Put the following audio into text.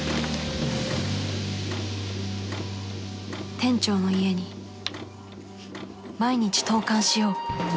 店長の家に毎日投函しよう